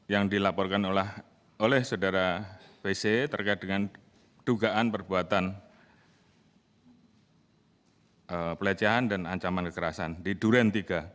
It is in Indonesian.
yang dilaporkan oleh saudara wc terkait dengan dugaan perbuatan pelecehan dan ancaman kekerasan di duren tiga